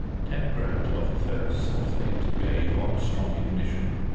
Ten grams of ferrous sulphate gave, on strong ignition, 2.